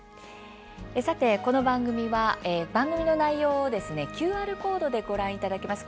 さてこの番組は番組の内容をですねＱＲコードでご覧いただけます。